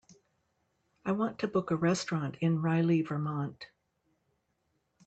I want to book a restaurant in Reily Vermont.